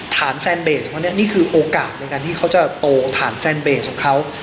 แฟนเบสเขาเนี่ยนี่คือโอกาสในการที่เขาจะโตถามแฟนเบสของเขา